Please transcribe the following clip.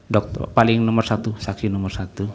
dokter paling nomor satu saksi nomor satu